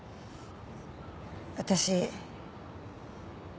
私。